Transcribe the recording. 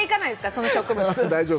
その植物。